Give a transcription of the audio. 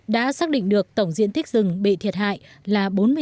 đã xác định được tổng diện thích rừng bị thiệt hại là bốn mươi sáu